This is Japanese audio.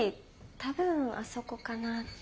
多分あそこかなって。